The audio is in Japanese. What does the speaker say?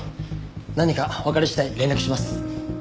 何かわかり次第連絡します。